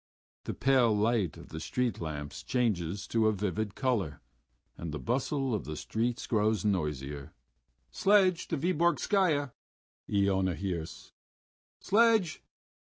The pale light of the street lamps changes to a vivid color, and the bustle of the street grows noisier. "Sledge to Vyborgskaya!" Iona hears. "Sledge!"